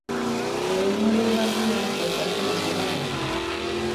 Eremu honen barnean lau parke nazional daude.